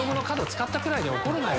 使ったくらいで怒るなよ。